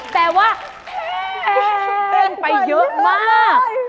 แต่ว่าแพงไปเยอะมาก